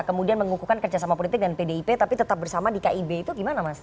kemudian mengukuhkan kerjasama politik dan pdip tapi tetap bersama di kib itu gimana mas